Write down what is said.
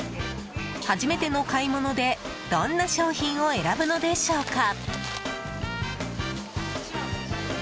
初めての買い物でどんな商品を選ぶのでしょうか。